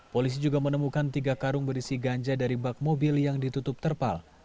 polisi juga menemukan tiga karung berisi ganja dari bak mobil yang ditutup terpal